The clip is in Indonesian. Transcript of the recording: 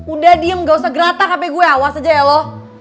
udah diem nggak usah gatar hp gue awas aja ya lo